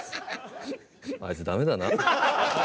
あいつダメだな。